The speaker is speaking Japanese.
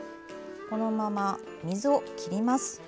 このまま水を切ります。